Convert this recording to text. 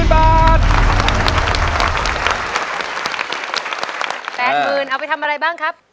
๘๐๐๐เอาไปทำอะไรบ้างครับ